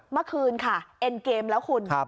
เมื่อคืนค่ะเอ็นเกมแล้วคุณ